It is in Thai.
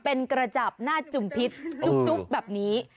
เป็นกระจับหน้าจุ่มพิษจุ๊บแบบนี้